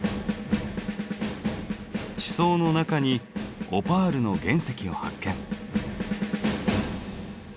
地層の中にオパールの原石を発見。